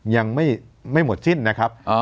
ยังไม่หมดสิ้นนะครับ